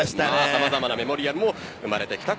様々なメモリアルも生まれてきた